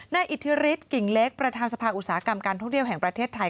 อิทธิฤทธิกิ่งเล็กประธานสภาอุตสาหกรรมการท่องเที่ยวแห่งประเทศไทย